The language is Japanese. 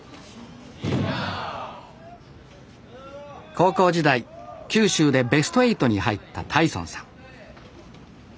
高校時代九州でベスト８に入った太尊さん